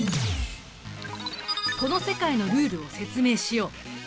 この世界のルールを説明しよう。